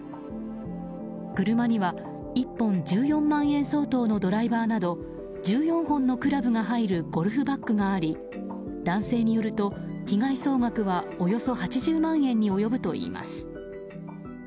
車には１本１４万円相当のドライバーなど１４本のクラブが入るゴルフバッグがあり男性によると被害総額はおよそ８０万円に及ぶといいます。